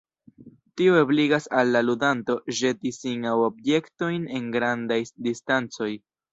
Tio ebligas al la ludanto ĵeti sin aŭ objektojn en grandaj distancoj.